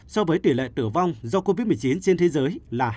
so với tỷ lệ tử vong do covid một mươi chín trên thế giới là hai mươi